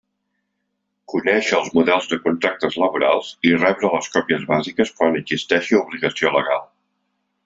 Conèixer els models de contractes laborals i rebre les còpies bàsiques quan existeixi obligació legal.